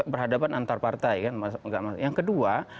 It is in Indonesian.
berhadapan antar partai kan yang kedua